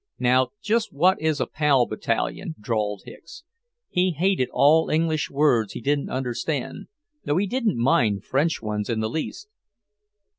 "Now, just what is a Pal Battalion?" drawled Hicks. He hated all English words he didn't understand, though he didn't mind French ones in the least.